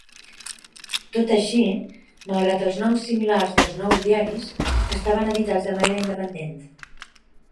Tot així, malgrat els noms similars dels nous diaris, estaven editats de manera independent.